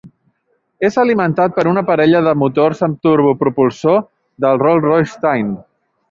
És alimentat per una parella de motors amb turbopropulsor de Rolls-Royce Tyne.